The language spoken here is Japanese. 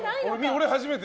俺初めて。